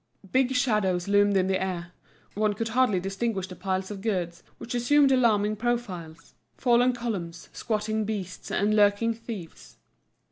Big shadows loomed in the air; one could hardly distinguish the piles of goods, which assumed alarming profiles: fallen columns, squatting beasts, and lurking thieves.